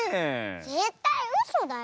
ぜったいうそだよ。